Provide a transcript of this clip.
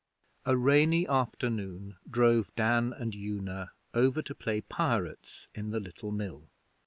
A rainy afternoon drove Dan and Una over to play pirates in the Little Mill.